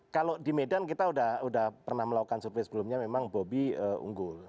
kalau di medan kita sudah pernah melakukan survei sebelumnya memang bobi unggul